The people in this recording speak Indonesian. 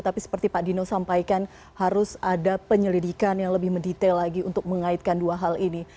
tapi seperti pak dino sampaikan harus ada penyelidikan yang lebih mendetail lagi untuk mengaitkan dua hal ini